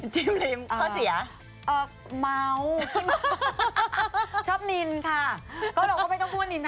จิ้มลิมข้อเสี่ย